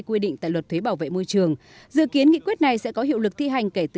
quy định tại luật thuế bảo vệ môi trường dự kiến nghị quyết này sẽ có hiệu lực thi hành kể từ